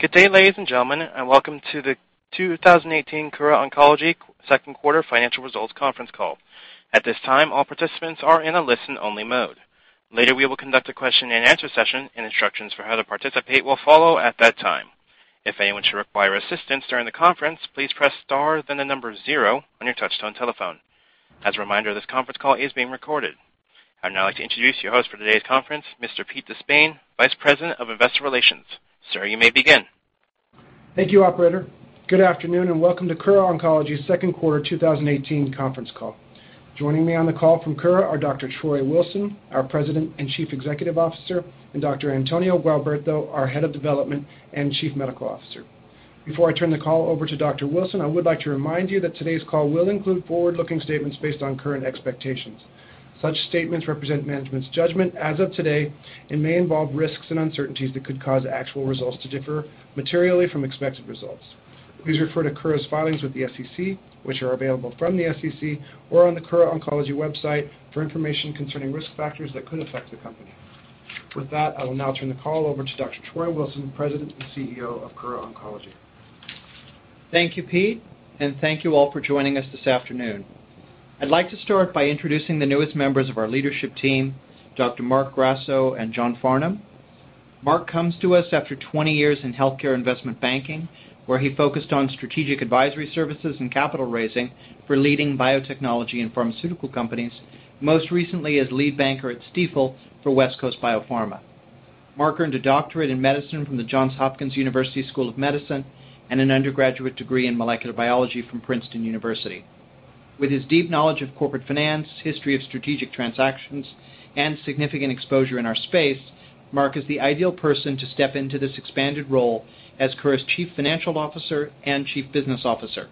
Good day, ladies and gentlemen. Welcome to the 2018 Kura Oncology second quarter financial results conference call. At this time, all participants are in a listen-only mode. Later, we will conduct a question-and-answer session, and instructions for how to participate will follow at that time. If anyone should require assistance during the conference, please press star, then the number zero on your touchtone telephone. As a reminder, this conference call is being recorded. I'd now like to introduce your host for today's conference, Mr. Pete DeSpain, Vice President of Investor Relations. Sir, you may begin. Thank you, operator. Good afternoon. Welcome to Kura Oncology's second quarter 2018 conference call. Joining me on the call from Kura are Dr. Troy Wilson, our President and Chief Executive Officer, and Dr. Antonio Gualberto, our Head of Development and Chief Medical Officer. Before I turn the call over to Dr. Wilson, I would like to remind you that today's call will include forward-looking statements based on current expectations. Such statements represent management's judgment as of today and may involve risks and uncertainties that could cause actual results to differ materially from expected results. Please refer to Kura's filings with the SEC, which are available from the SEC or on the Kura Oncology website for information concerning risk factors that could affect the company. With that, I will now turn the call over to Dr. Troy Wilson, President and CEO of Kura Oncology. Thank you, Pete. Thank you all for joining us this afternoon. I'd like to start by introducing the newest members of our leadership team, Dr. Marc Grasso and John Farnham. Marc comes to us after 20 years in healthcare investment banking, where he focused on strategic advisory services and capital raising for leading biotechnology and pharmaceutical companies, most recently as lead banker at Stifel for West Coast Biopharma. Marc earned a doctorate in medicine from the Johns Hopkins University School of Medicine and an undergraduate degree in molecular biology from Princeton University. With his deep knowledge of corporate finance, history of strategic transactions, and significant exposure in our space, Marc is the ideal person to step into this expanded role as Kura's Chief Financial Officer and Chief Business Officer.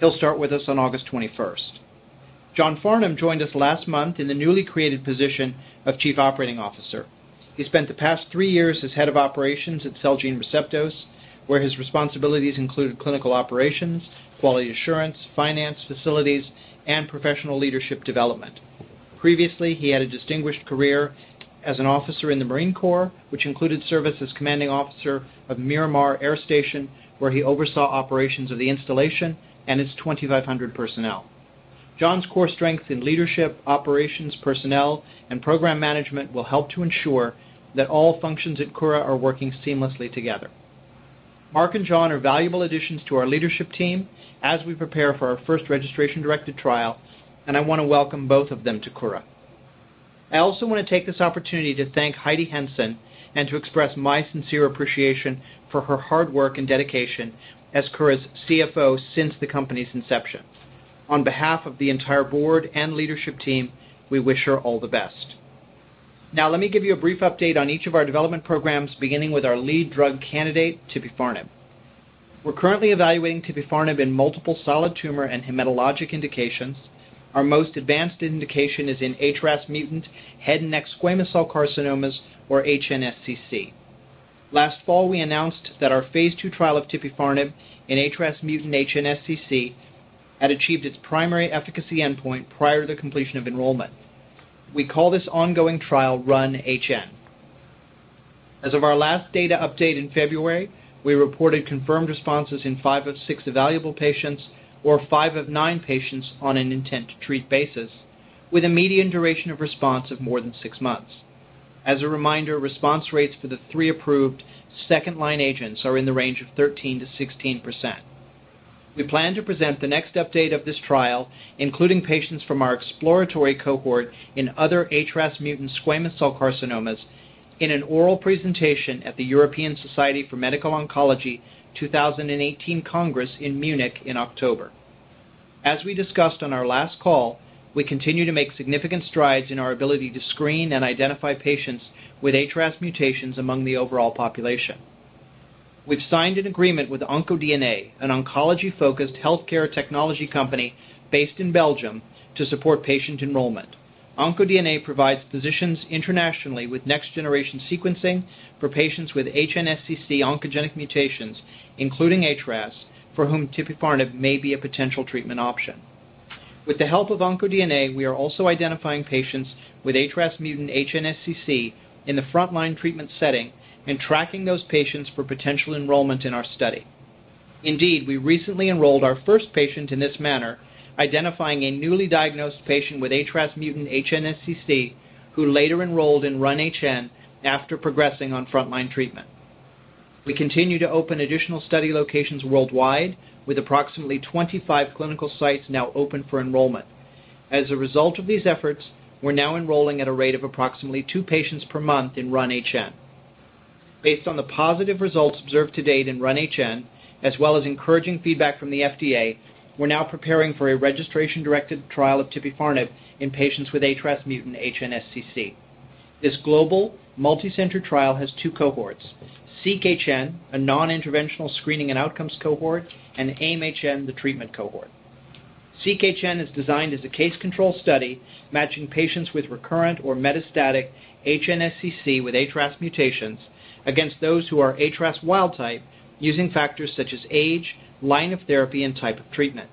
He'll start with us on August 21st. John Farnham joined us last month in the newly created position of Chief Operating Officer. He spent the past three years as head of operations at Celgene Receptos, where his responsibilities included clinical operations, quality assurance, finance, facilities, and professional leadership development. Previously, he had a distinguished career as an officer in the Marine Corps, which included service as commanding officer of Miramar Air Station, where he oversaw operations of the installation and its 2,500 personnel. John's core strength in leadership, operations, personnel, and program management will help to ensure that all functions at Kura are working seamlessly together. Marc and John are valuable additions to our leadership team as we prepare for our first registration-directed trial, and I want to welcome both of them to Kura. I also want to take this opportunity to thank Heidi Henson and to express my sincere appreciation for her hard work and dedication as Kura's CFO since the company's inception. On behalf of the entire board and leadership team, we wish her all the best. Let me give you a brief update on each of our development programs, beginning with our lead drug candidate, tipifarnib. We're currently evaluating tipifarnib in multiple solid tumor and hematologic indications. Our most advanced indication is in HRAS-mutant head and neck squamous cell carcinomas, or HNSCC. Last fall, we announced that our Phase II trial of tipifarnib in HRAS mutant HNSCC had achieved its primary efficacy endpoint prior to the completion of enrollment. We call this ongoing trial RUN-HN. As of our last data update in February, we reported confirmed responses in five of six evaluable patients, or five of nine patients on an intent to treat basis, with a median duration of response of more than six months. As a reminder, response rates for the three approved second-line agents are in the range of 13%-16%. We plan to present the next update of this trial, including patients from our exploratory cohort in other HRAS mutant squamous cell carcinomas in an oral presentation at the European Society for Medical Oncology 2018 Congress in Munich in October. As we discussed on our last call, we continue to make significant strides in our ability to screen and identify patients with HRAS mutations among the overall population. We've signed an agreement with OncoDNA, an oncology-focused healthcare technology company based in Belgium, to support patient enrollment. OncoDNA provides physicians internationally with next-generation sequencing for patients with HNSCC oncogenic mutations, including HRAS, for whom tipifarnib may be a potential treatment option. With the help of OncoDNA, we are also identifying patients with HRAS mutant HNSCC in the frontline treatment setting and tracking those patients for potential enrollment in our study. Indeed, we recently enrolled our first patient in this manner, identifying a newly diagnosed patient with HRAS mutant HNSCC, who later enrolled in RUN-HN after progressing on frontline treatment. We continue to open additional study locations worldwide, with approximately 25 clinical sites now open for enrollment. As a result of these efforts, we're now enrolling at a rate of approximately two patients per month in RUN-HN. Based on the positive results observed to date in RUN-HN, as well as encouraging feedback from the FDA, we're now preparing for a registration-directed trial of tipifarnib in patients with HRAS mutant HNSCC. This global, multi-center trial has two cohorts, SEQ-HN, a non-interventional screening and outcomes cohort, and AIM-HN, the treatment cohort. SEQ-HN is designed as a case control study matching patients with recurrent or metastatic HNSCC with HRAS mutations against those who are HRAS wild type using factors such as age, line of therapy, and type of treatment.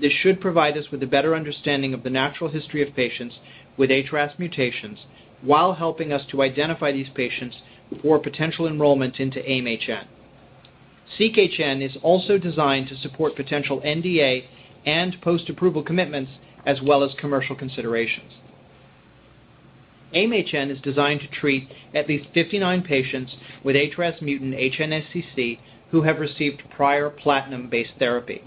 This should provide us with a better understanding of the natural history of patients with HRAS mutations, while helping us to identify these patients for potential enrollment into AIM-HN. SEEK-HN is also designed to support potential NDA and post-approval commitments, as well as commercial considerations. AIM-HN is designed to treat at least 59 patients with HRAS mutant HNSCC who have received prior platinum-based therapy.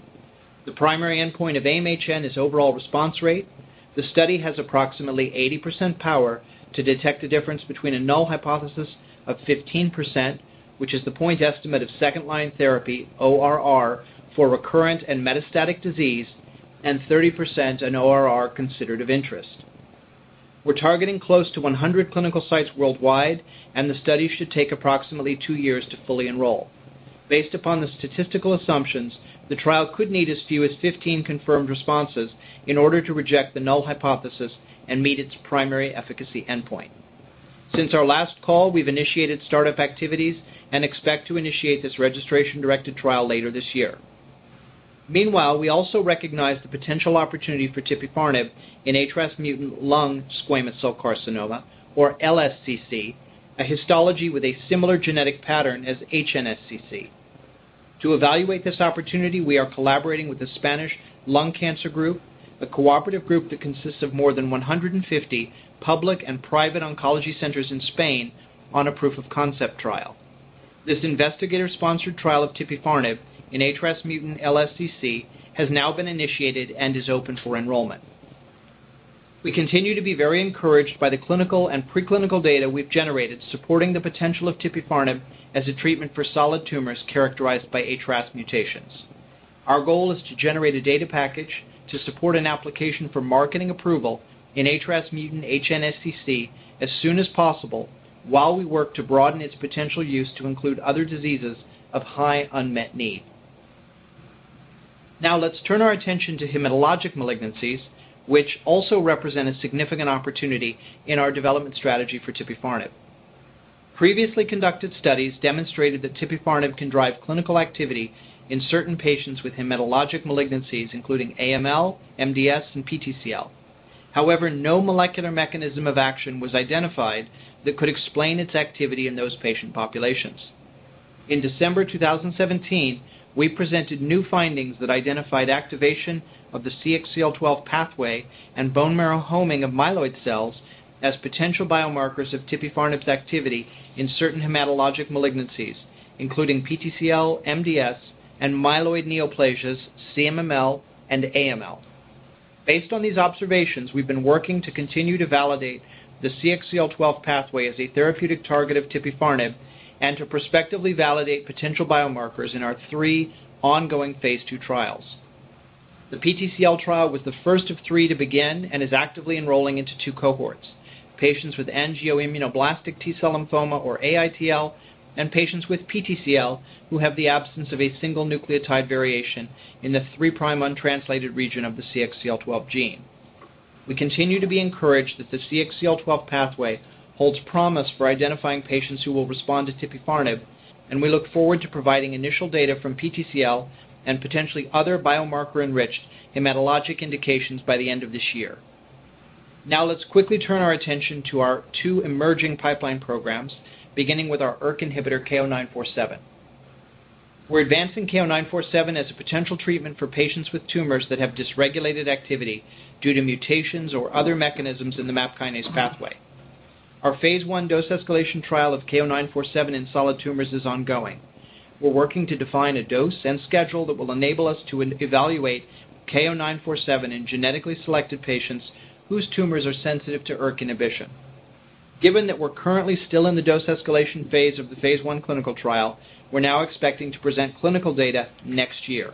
The primary endpoint of AIM-HN is overall response rate. The study has approximately 80% power to detect a difference between a null hypothesis of 15%, which is the point estimate of second line therapy ORR for recurrent and metastatic disease, and 30% in ORR considered of interest. We're targeting close to 100 clinical sites worldwide, and the study should take approximately two years to fully enroll. Based upon the statistical assumptions, the trial could need as few as 15 confirmed responses in order to reject the null hypothesis and meet its primary efficacy endpoint. Since our last call, we've initiated startup activities and expect to initiate this registration-directed trial later this year. Meanwhile, we also recognize the potential opportunity for tipifarnib in HRAS-mutant lung squamous cell carcinoma, or LSCC, a histology with a similar genetic pattern as HNSCC. To evaluate this opportunity, we are collaborating with the Spanish Lung Cancer Group, a cooperative group that consists of more than 150 public and private oncology centers in Spain on a proof of concept trial. This investigator-sponsored trial of tipifarnib in HRAS mutant LSCC has now been initiated and is open for enrollment. We continue to be very encouraged by the clinical and pre-clinical data we've generated supporting the potential of tipifarnib as a treatment for solid tumors characterized by HRAS mutations. Our goal is to generate a data package to support an application for marketing approval in HRAS mutant HNSCC as soon as possible, while we work to broaden its potential use to include other diseases of high unmet need. Let's turn our attention to hematologic malignancies, which also represent a significant opportunity in our development strategy for tipifarnib. Previously conducted studies demonstrated that tipifarnib can drive clinical activity in certain patients with hematologic malignancies, including AML, MDS, and PTCL. However, no molecular mechanism of action was identified that could explain its activity in those patient populations. In December 2017, we presented new findings that identified activation of the CXCL12 pathway and bone marrow homing of myeloid cells as potential biomarkers of tipifarnib's activity in certain hematologic malignancies, including PTCL, MDS, and myeloid neoplasias, CMML, and AML. Based on these observations, we've been working to continue to validate the CXCL12 pathway as a therapeutic target of tipifarnib and to prospectively validate potential biomarkers in our three ongoing phase II trials. The PTCL trial was the first of three to begin and is actively enrolling into two cohorts, patients with angioimmunoblastic T-cell lymphoma, or AITL, and patients with PTCL who have the absence of a single nucleotide variation in the three prime untranslated region of the CXCL12 gene. We continue to be encouraged that the CXCL12 pathway holds promise for identifying patients who will respond to tipifarnib, and we look forward to providing initial data from PTCL and potentially other biomarker-enriched hematologic indications by the end of this year. Let's quickly turn our attention to our two emerging pipeline programs, beginning with our ERK inhibitor KO-947. We're advancing KO-947 as a potential treatment for patients with tumors that have dysregulated activity due to mutations or other mechanisms in the MAP kinase pathway. Our phase I dose escalation trial of KO-947 in solid tumors is ongoing. We're working to define a dose and schedule that will enable us to evaluate KO-947 in genetically selected patients whose tumors are sensitive to ERK inhibition. Given that we're currently still in the dose escalation phase of the phase I clinical trial, we're now expecting to present clinical data next year.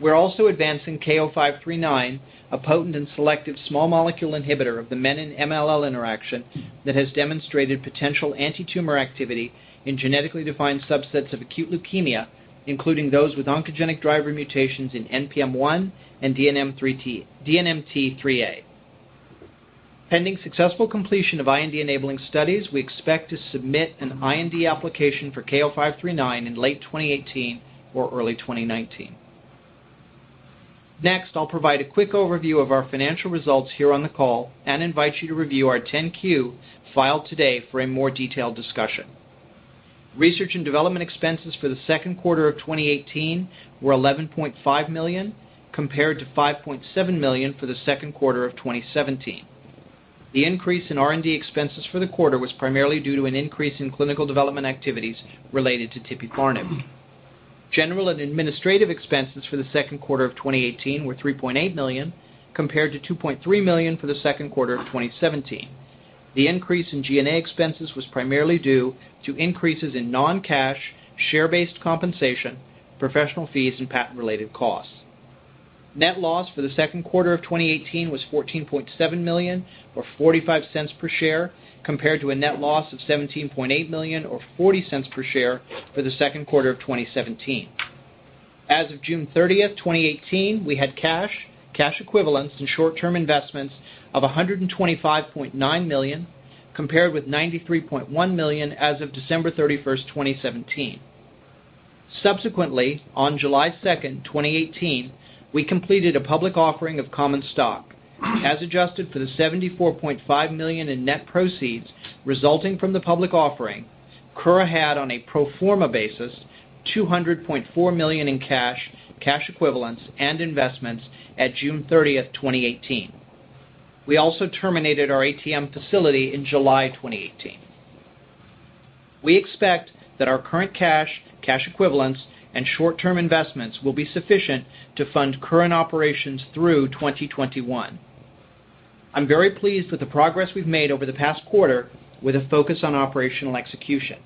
We're also advancing KO-539, a potent and selective small molecule inhibitor of the menin-MLL interaction that has demonstrated potential antitumor activity in genetically defined subsets of acute leukemia, including those with oncogenic driver mutations in NPM1 and DNMT3A. Pending successful completion of IND-enabling studies, we expect to submit an IND application for KO-539 in late 2018 or early 2019. I'll provide a quick overview of our financial results here on the call and invite you to review our 10-Q filed today for a more detailed discussion. Research and development expenses for the second quarter of 2018 were $11.5 million, compared to $5.7 million for the second quarter of 2017. The increase in R&D expenses for the quarter was primarily due to an increase in clinical development activities related to tipifarnib. General and administrative expenses for the second quarter of 2018 were $3.8 million, compared to $2.3 million for the second quarter of 2017. The increase in G&A expenses was primarily due to increases in non-cash share-based compensation, professional fees, and patent-related costs. Net loss for the second quarter of 2018 was $14.7 million, or $0.45 per share, compared to a net loss of $17.8 million, or $0.40 per share for the second quarter of 2017. As of June 30th, 2018, we had cash equivalents, and short-term investments of $125.9 million, compared with $93.1 million as of December 31st, 2017. On July 2nd, 2018, we completed a public offering of common stock. As adjusted for the $74.5 million in net proceeds resulting from the public offering, Kura had, on a pro forma basis, $200.4 million in cash equivalents, and investments at June 30th, 2018. We also terminated our ATM facility in July 2018. We expect that our current cash equivalents, and short-term investments will be sufficient to fund current operations through 2021. I'm very pleased with the progress we've made over the past quarter with a focus on operational execution.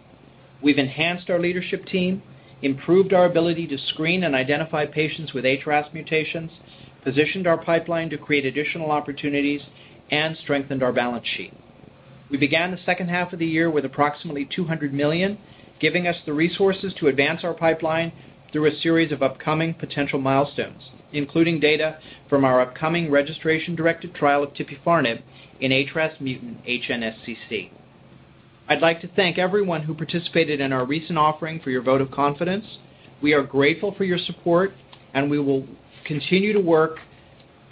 We've enhanced our leadership team, improved our ability to screen and identify patients with HRAS mutations, positioned our pipeline to create additional opportunities, and strengthened our balance sheet. We began the second half of the year with approximately $200 million, giving us the resources to advance our pipeline through a series of upcoming potential milestones, including data from our upcoming registration-directed trial of tipifarnib in HRAS mutant HNSCC. I'd like to thank everyone who participated in our recent offering for your vote of confidence. We are grateful for your support, and we will continue to work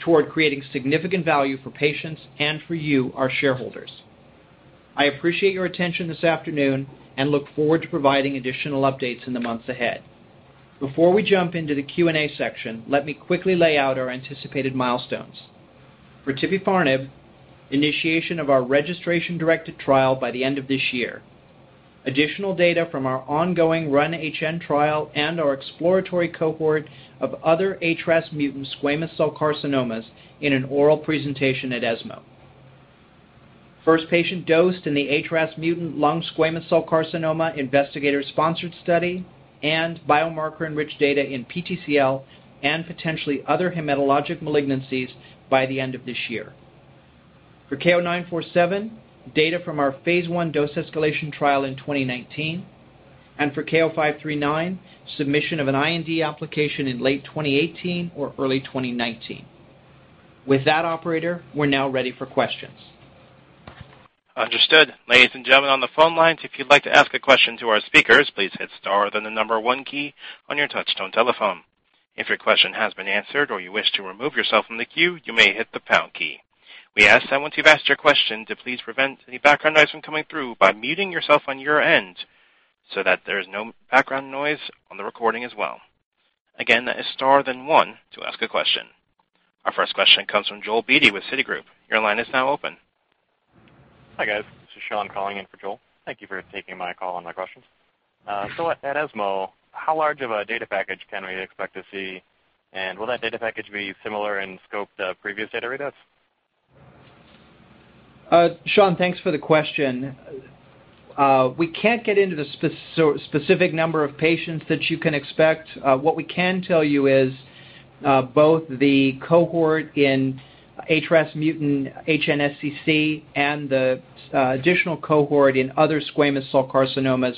toward creating significant value for patients and for you, our shareholders. I appreciate your attention this afternoon and look forward to providing additional updates in the months ahead. Before we jump into the Q&A section, let me quickly lay out our anticipated milestones. For tipifarnib, initiation of our registration-directed trial by the end of this year, additional data from our ongoing RUN-HN trial and our exploratory cohort of other HRAS mutant squamous cell carcinomas in an oral presentation at ESMO. First patient dosed in the HRAS mutant lung squamous cell carcinoma investigator-sponsored study, and biomarker-enriched data in PTCL and potentially other hematologic malignancies by the end of this year. For KO-947, data from our phase I dose escalation trial in 2019, and for KO-539, submission of an IND application in late 2018 or early 2019. With that, operator, we're now ready for questions. Understood. Ladies and gentlemen on the phone lines, if you'd like to ask a question to our speakers, please hit star, then the number 1 key on your touch-tone telephone. If your question has been answered or you wish to remove yourself from the queue, you may hit the pound key. We ask that once you've asked your question to please prevent any background noise from coming through by muting yourself on your end so that there is no background noise on the recording as well. Again, that is star, then 1 to ask a question. Our first question comes from Joel Beatty with Citigroup. Your line is now open. Hi, guys. This is Sean calling in for Joel. Thank you for taking my call and my questions. At ESMO, how large of a data package can we expect to see? Will that data package be similar in scope to previous data readouts? Sean, thanks for the question. We can't get into the specific number of patients that you can expect. What we can tell you is both the cohort in HRAS mutant HNSCC and the additional cohort in other squamous cell carcinomas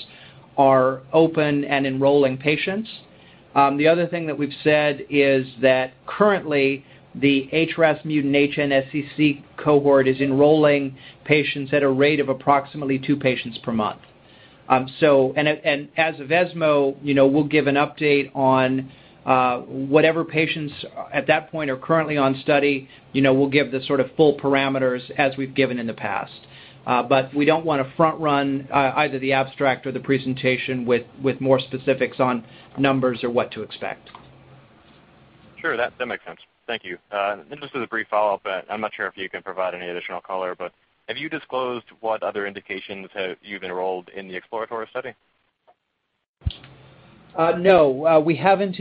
are open and enrolling patients. The other thing that we've said is that currently, the HRAS mutant HNSCC cohort is enrolling patients at a rate of approximately two patients per month. As of ESMO, we'll give an update on whatever patients at that point are currently on study. We'll give the sort of full parameters as we've given in the past. We don't want to front-run either the abstract or the presentation with more specifics on numbers or what to expect. Sure. That makes sense. Thank you. Just as a brief follow-up, I'm not sure if you can provide any additional color, but have you disclosed what other indications you've enrolled in the exploratory study? No. We haven't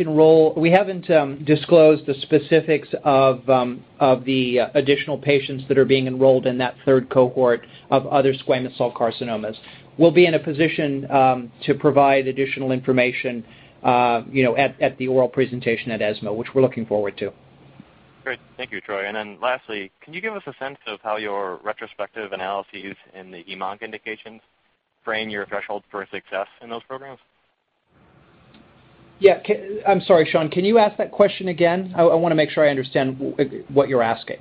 disclosed the specifics of the additional patients that are being enrolled in that third cohort of other squamous cell carcinomas. We'll be in a position to provide additional information at the oral presentation at ESMO, which we're looking forward to. Great. Thank you, Troy. Then lastly, can you give us a sense of how your retrospective analyses in the hem-onc indications frame your threshold for success in those programs? Yeah. I'm sorry, Sean, can you ask that question again? I want to make sure I understand what you're asking.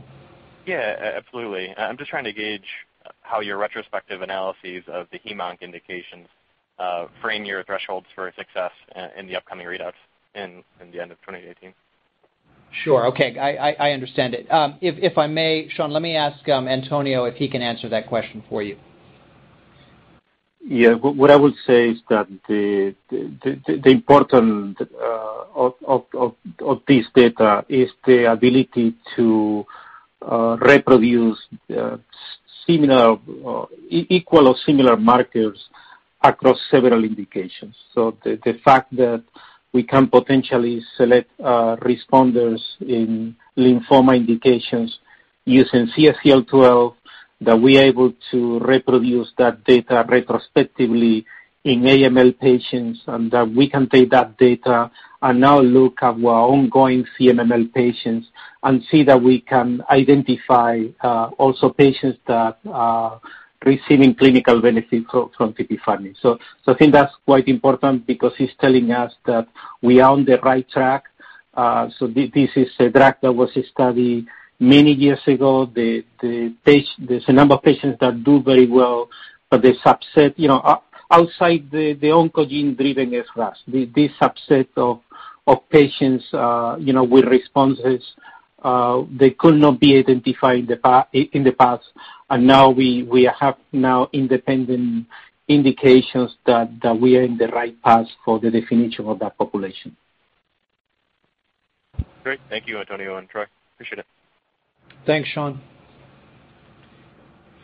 Yeah. Absolutely. I'm just trying to gauge how your retrospective analyses of the hem-onc indications frame your thresholds for success in the upcoming readouts in the end of 2018. Sure. Okay. I understand it. If I may, Sean, let me ask Antonio if he can answer that question for you. Yeah. What I would say is that the importance of this data is the ability to reproduce equal or similar markers across several indications. The fact that we can potentially select responders in lymphoma indications using CXCL12, that we're able to reproduce that data retrospectively in AML patients, and that we can take that data and now look at our ongoing CMML patients and see that we can identify also patients that are receiving clinical benefit from tipifarnib. I think that's quite important because it's telling us that we are on the right track. This is a drug that was studied many years ago. There's a number of patients that do very well, but the subset outside the oncogene-driven HRAS, this subset of patients with responses could not be identified in the past, and now we have independent indications that we are on the right path for the definition of that population. Great. Thank you, Antonio and Troy. Appreciate it. Thanks, Sean.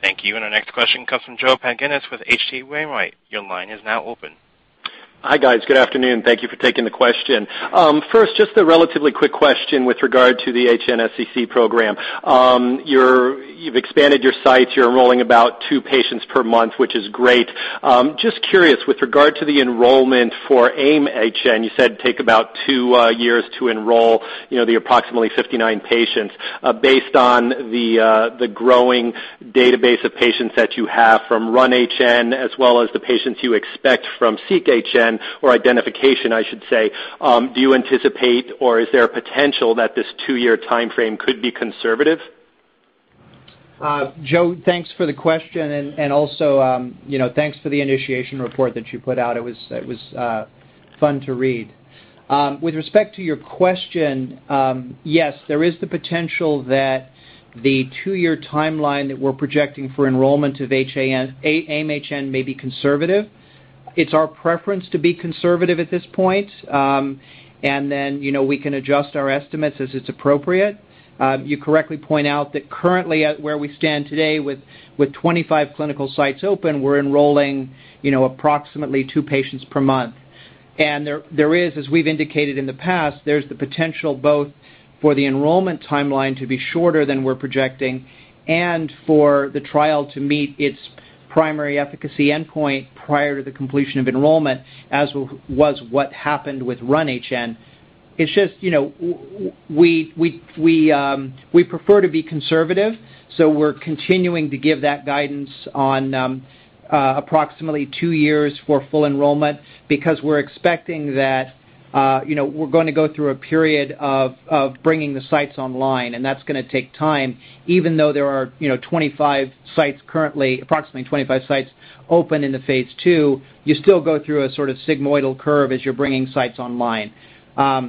Thank you. Our next question comes from Joseph Pantginis with H.C. Wainwright. Your line is now open. Hi, guys. Good afternoon. Thank you for taking the question. First, just a relatively quick question with regard to the HNSCC program. You've expanded your sites. You're enrolling about two patients per month, which is great. Just curious, with regard to the enrollment for AIM-HN, you said it'd take about two years to enroll the approximately 59 patients based on the growing database of patients that you have from RUN-HN, as well as the patients you expect from SEQ-HN or identification, I should say. Do you anticipate or is there a potential that this two-year timeframe could be conservative? Joe, thanks for the question, also thanks for the initiation report that you put out. It was fun to read. With respect to your question, yes, there is the potential that the two-year timeline that we're projecting for enrollment of AIM-HN may be conservative. It's our preference to be conservative at this point. Then we can adjust our estimates as it's appropriate. You correctly point out that currently where we stand today with 25 clinical sites open, we're enrolling approximately two patients per month. There is, as we've indicated in the past, the potential both for the enrollment timeline to be shorter than we're projecting and for the trial to meet its primary efficacy endpoint prior to the completion of enrollment, as was what happened with RUN-HN. It's just we prefer to be conservative, we're continuing to give that guidance on approximately two years for full enrollment because we're expecting that we're going to go through a period of bringing the sites online, that's going to take time. Even though there are approximately 25 sites open in the phase II, you still go through a sort of sigmoidal curve as you're bringing sites online. I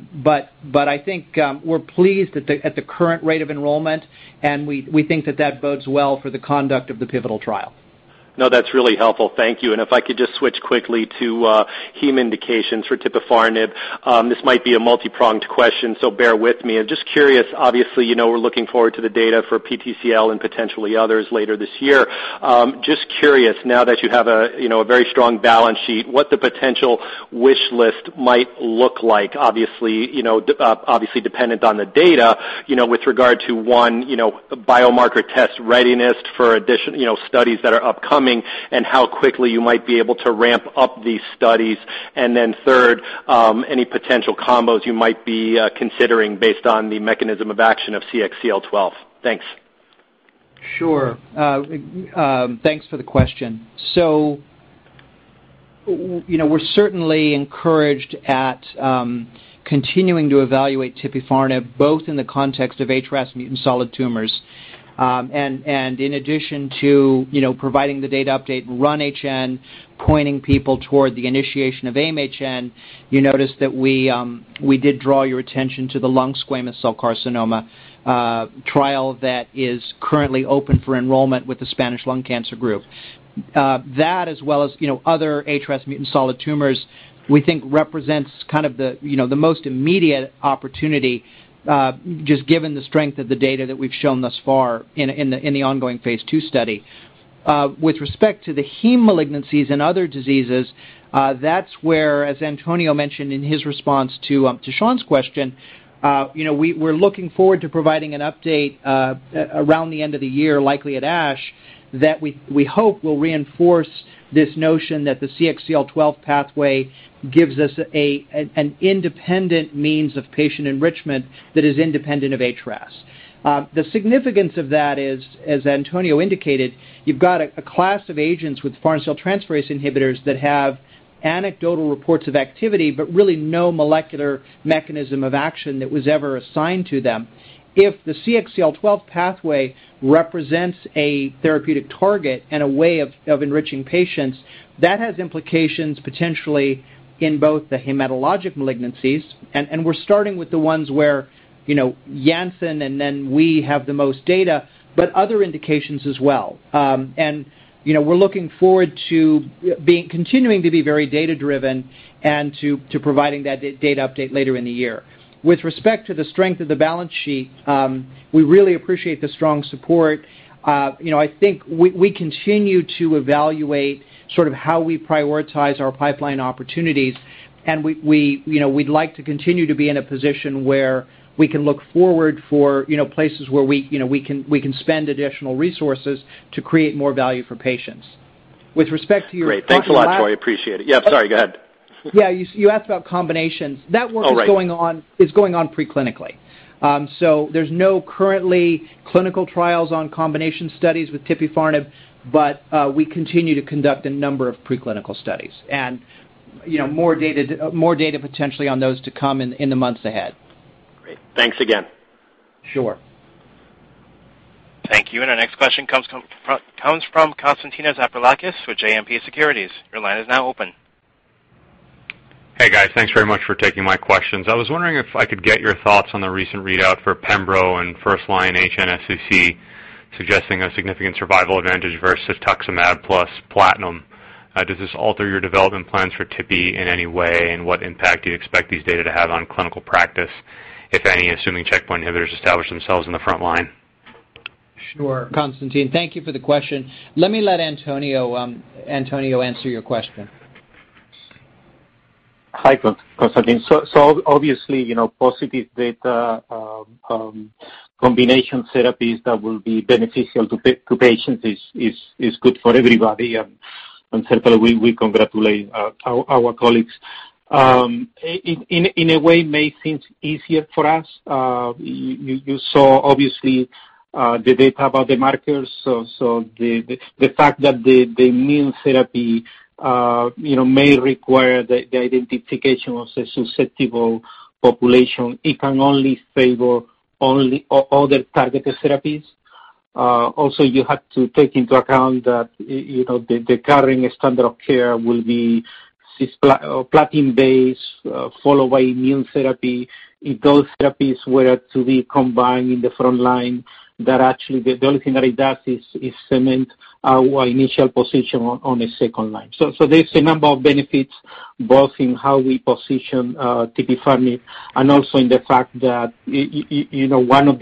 think we're pleased at the current rate of enrollment, we think that that bodes well for the conduct of the pivotal trial. No, that's really helpful. Thank you. If I could just switch quickly to heme indications for tipifarnib. This might be a multi-pronged question, bear with me. Just curious, obviously, we're looking forward to the data for PTCL and potentially others later this year. Just curious, now that you have a very strong balance sheet, what the potential wish list might look like, obviously dependent on the data with regard to one biomarker test readiness for studies that are upcoming and how quickly you might be able to ramp up these studies. Then third, any potential combos you might be considering based on the mechanism of action of CXCL12. Thanks. Sure. Thanks for the question. We're certainly encouraged at continuing to evaluate tipifarnib both in the context of HRAS mutant solid tumors. In addition to providing the data update in RUN-HN, pointing people toward the initiation of AIM-HN, you notice that we did draw your attention to the lung squamous cell carcinoma trial that is currently open for enrollment with the Spanish Lung Cancer Group. That, as well as other HRAS mutant solid tumors, we think represents the most immediate opportunity, just given the strength of the data that we've shown thus far in the ongoing phase II study. With respect to the heme malignancies and other diseases, that's where, as Antonio mentioned in his response to Sean's question, we're looking forward to providing an update around the end of the year, likely at ASH, that we hope will reinforce this notion that the CXCL12 pathway gives us an independent means of patient enrichment that is independent of HRAS. The significance of that is, as Antonio indicated, you've got a class of agents with farnesyl transferase inhibitors that have anecdotal reports of activity, but really no molecular mechanism of action that was ever assigned to them. If the CXCL12 pathway represents a therapeutic target and a way of enriching patients, that has implications potentially in both the hematologic malignancies, and we're starting with the ones where Janssen and then we have the most data, but other indications as well. We're looking forward to continuing to be very data-driven and to providing that data update later in the year. With respect to the strength of the balance sheet, we really appreciate the strong support. I think we continue to evaluate how we prioritize our pipeline opportunities, and we'd like to continue to be in a position where we can look forward for places where we can spend additional resources to create more value for patients. With respect to your- Great. Thanks a lot, Troy. Appreciate it. Yeah, sorry, go ahead. Yeah, you asked about combinations. Oh, right. That work is going on pre-clinically. There's no currently clinical trials on combination studies with tipifarnib, but we continue to conduct a number of pre-clinical studies and more data potentially on those to come in the months ahead. Great. Thanks again. Sure. Thank you. Our next question comes from Konstantinos Aprilakis with JMP Securities. Your line is now open. Hey, guys. Thanks very much for taking my questions. I was wondering if I could get your thoughts on the recent readout for pembrolizumab and first-line HNSCC suggesting a significant survival advantage versus cetuximab plus platinum? Does this alter your development plans for tipifarnib in any way? What impact do you expect these data to have on clinical practice, if any, assuming checkpoint inhibitors establish themselves in the front line? Sure. Constantine, thank you for the question. Let me let Antonio answer your question. Hi, Constantine. Obviously, positive data, combination therapies that will be beneficial to patients is good for everybody. Certainly, we congratulate our colleagues. In a way, it makes things easier for us. You saw, obviously, the data about the markers. The fact that the immune therapy may require the identification of a susceptible population, it can only favor only other targeted therapies. Also, you have to take into account that the current standard of care will be platinum-based, followed by immune therapy. If those therapies were to be combined in the front line, actually the only thing that it does is cement our initial position on the second line. There's a number of benefits, both in how we position tipifarnib and also in the fact that one of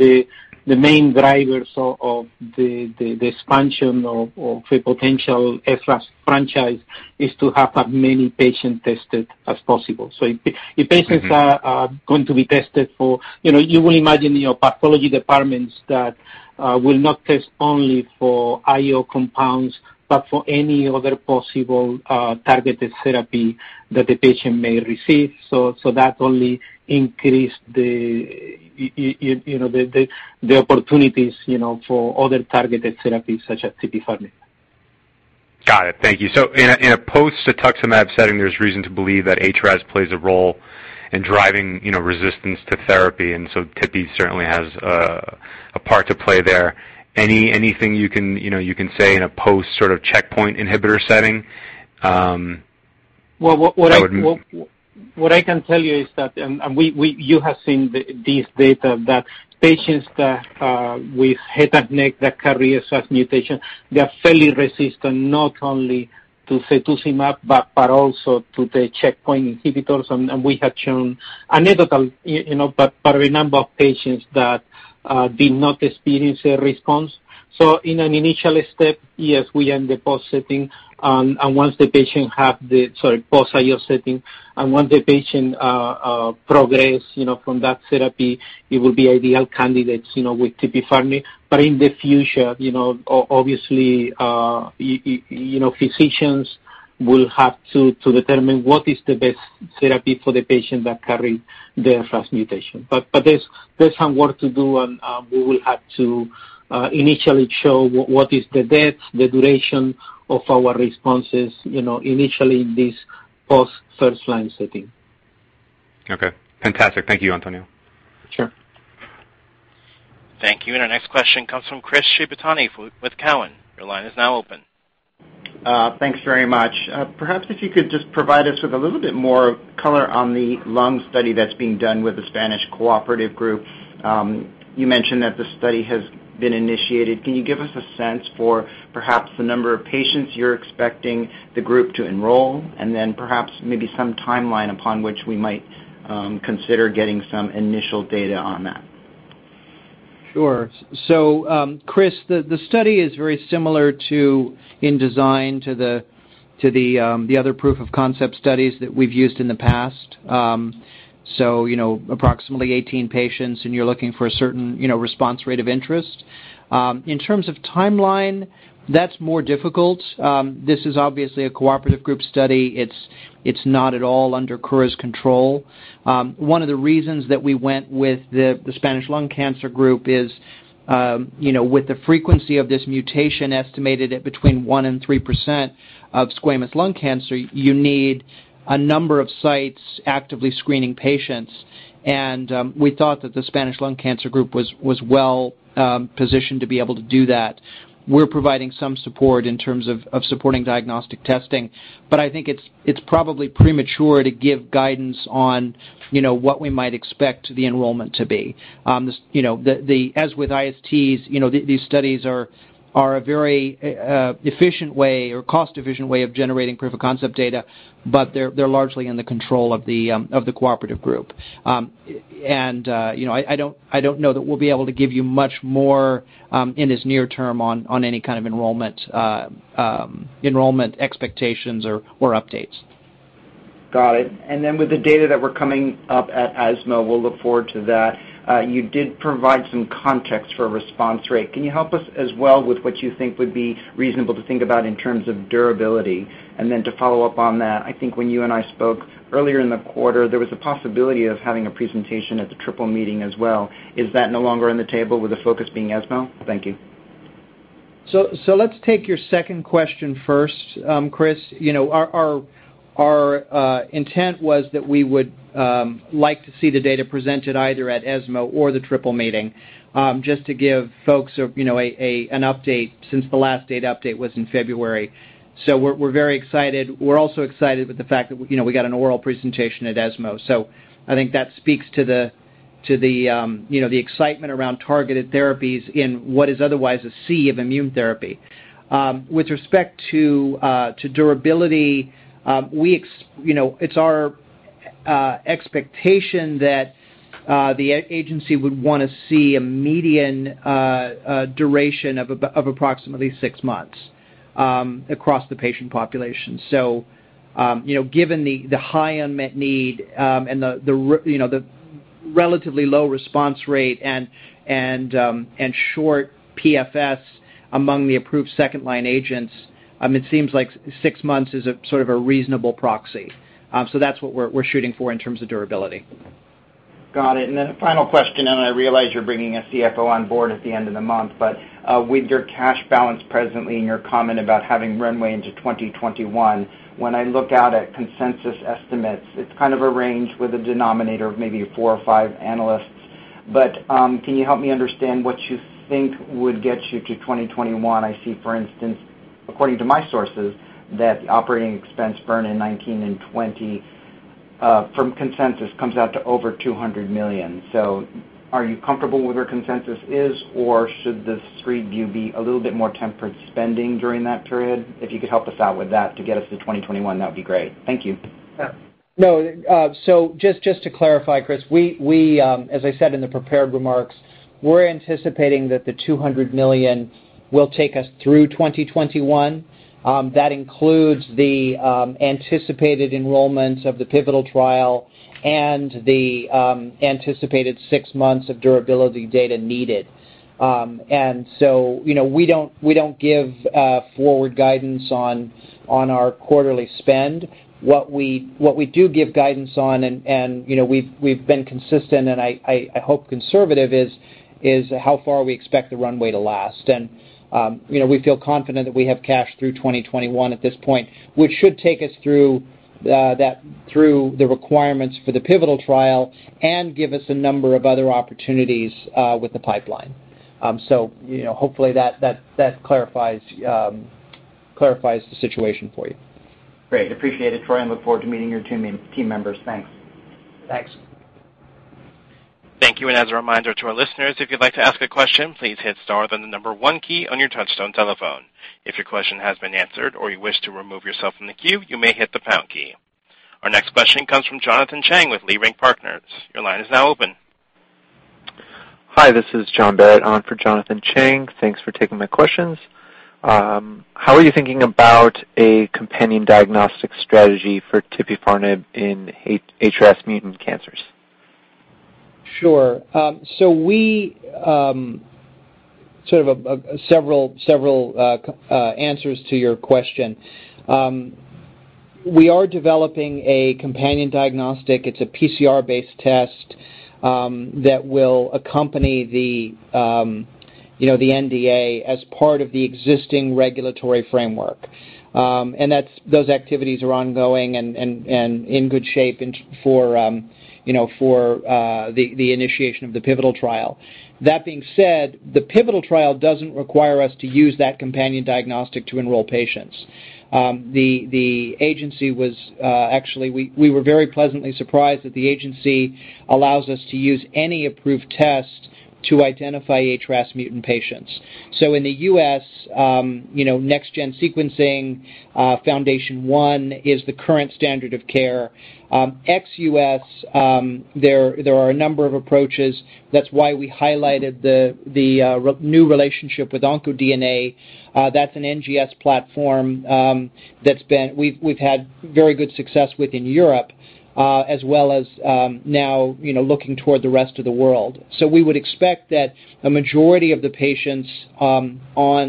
the main drivers of the expansion of the potential HRAS franchise is to have as many patients tested as possible. If patients are going to be tested, you will imagine your pathology departments that will not test only for IO compounds, but for any other possible targeted therapy that the patient may receive. That only increases the opportunities for other targeted therapies such as tipifarnib. Got it. Thank you. In a post-cetuximab setting, there's reason to believe that HRAS plays a role in driving resistance to therapy. Tipifarnib certainly has a part to play there. Anything you can say in a post sort of checkpoint inhibitor setting? Well, what I can tell you is that, you have seen this data, that patients with head and neck that carry an HRAS mutation, they're fairly resistant not only to cetuximab but also to the checkpoint inhibitors. We have shown anecdotally but for a number of patients that did not experience a response. In an initial step, yes, we are in the post setting. Once the patient, post IO setting, and once the patient progress from that therapy, it will be ideal candidates with tipifarnib. In the future, obviously, physicians will have to determine what is the best therapy for the patient that carry the HRAS mutation. There's some work to do, and we will have to initially show what is the depth, the duration of our responses initially in this post first-line setting. Okay. Fantastic. Thank you, Antonio. Sure. Thank you. Our next question comes from Chris Shibutani with Cowen. Your line is now open. Thanks very much. Perhaps if you could just provide us with a little bit more color on the lung study that's being done with the Spanish Lung Cancer Group. You mentioned that the study has been initiated. Can you give us a sense for perhaps the number of patients you're expecting the group to enroll, and then perhaps maybe some timeline upon which we might consider getting some initial data on that? Sure. Chris, the study is very similar in design to the other proof-of-concept studies that we've used in the past. Approximately 18 patients, and you're looking for a certain response rate of interest. In terms of timeline, that's more difficult. This is obviously a cooperative group study. It's not at all under Kura's control. One of the reasons that we went with the Spanish Lung Cancer Group is with the frequency of this mutation estimated at between 1% and 3% of squamous lung cancer, you need a number of sites actively screening patients. We thought that the Spanish Lung Cancer Group was well-positioned to be able to do that. We're providing some support in terms of supporting diagnostic testing, I think it's probably premature to give guidance on what we might expect the enrollment to be. As with ISTs, these studies are a very efficient way or cost-efficient way of generating proof-of-concept data, but they're largely in the control of the cooperative group. I don't know that we'll be able to give you much more in as near term on any kind of enrollment expectations or updates. Got it. With the data that we're coming up at ESMO, we'll look forward to that. You did provide some context for a response rate. Can you help us as well with what you think would be reasonable to think about in terms of durability? To follow up on that, I think when you and I spoke earlier in the quarter, there was a possibility of having a presentation at the Triple Meeting as well. Is that no longer on the table with the focus being ESMO? Thank you. Let's take your second question first, Chris. Our intent was that we would like to see the data presented either at ESMO or the Triple Meeting, just to give folks an update since the last data update was in February. We're very excited. We're also excited with the fact that we got an oral presentation at ESMO. I think that speaks to the excitement around targeted therapies in what is otherwise a sea of immune therapy. With respect to durability, it's our expectation that the agency would want to see a median duration of approximately six months across the patient population. Given the high unmet need and the relatively low response rate and short PFS among the approved second-line agents, it seems like six months is a reasonable proxy. That's what we're shooting for in terms of durability. Got it. A final question, and I realize you're bringing a CFO on board at the end of the month, but with your cash balance presently and your comment about having runway into 2021, when I look out at consensus estimates, it's kind of a range with a denominator of maybe four or five analysts. Can you help me understand what you think would get you to 2021? I see, for instance, according to my sources, that the operating expense burn in 2019 and 2020 from consensus comes out to over $200 million. Are you comfortable where consensus is, or should the street view be a little bit more tempered spending during that period? If you could help us out with that to get us to 2021, that would be great. Thank you. No. Just to clarify, Chris, as I said in the prepared remarks, we're anticipating that the $200 million will take us through 2021. That includes the anticipated enrollments of the pivotal trial and the anticipated six months of durability data needed. We don't give forward guidance on our quarterly spend. What we do give guidance on, and we've been consistent and I hope conservative, is how far we expect the runway to last. We feel confident that we have cash through 2021 at this point, which should take us through the requirements for the pivotal trial and give us a number of other opportunities with the pipeline. Hopefully that clarifies the situation for you. Great. Appreciate it, Troy, look forward to meeting your team members. Thanks. Thanks. Thank you. As a reminder to our listeners, if you'd like to ask a question, please hit star, then the number 1 key on your touchtone telephone. If your question has been answered or you wish to remove yourself from the queue, you may hit the pound key. Our next question comes from Jonathan Chang with Leerink Partners. Your line is now open. Hi, this is John Barrett on for Jonathan Chang. Thanks for taking my questions. How are you thinking about a companion diagnostic strategy for tipifarnib in HRAS mutant cancers? Sure. Several answers to your question. We are developing a companion diagnostic. It's a PCR-based test that will accompany the NDA as part of the existing regulatory framework. Those activities are ongoing and in good shape for the initiation of the pivotal trial. That being said, the pivotal trial doesn't require us to use that companion diagnostic to enroll patients. Actually, we were very pleasantly surprised that the agency allows us to use any approved test to identify HRAS mutant patients. In the U.S., next-gen sequencing, FoundationOne is the current standard of care. Ex-U.S., there are a number of approaches. That's why we highlighted the new relationship with OncoDNA. That's an NGS platform that we've had very good success with in Europe, as well as now looking toward the rest of the world. We would expect that a majority of the patients on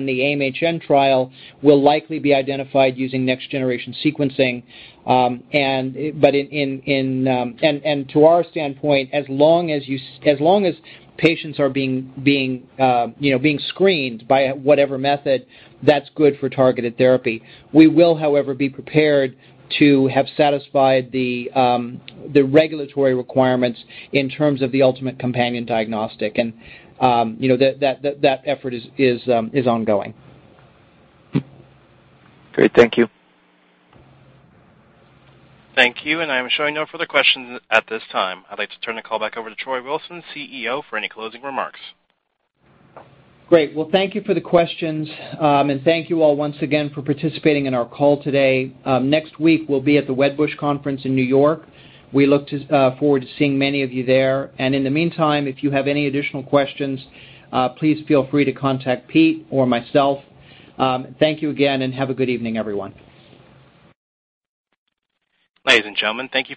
the AIM-HN trial will likely be identified using next generation sequencing. To our standpoint, as long as patients are being screened by whatever method, that's good for targeted therapy. We will, however, be prepared to have satisfied the regulatory requirements in terms of the ultimate companion diagnostic. That effort is ongoing. Great. Thank you. Thank you. I am showing no further questions at this time. I'd like to turn the call back over to Troy Wilson, CEO, for any closing remarks. Great. Well, thank you for the questions. Thank you all once again for participating in our call today. Next week, we'll be at the Wedbush Conference in New York. We look forward to seeing many of you there. In the meantime, if you have any additional questions, please feel free to contact Pete or myself. Thank you again, and have a good evening, everyone. Ladies and gentlemen, thank you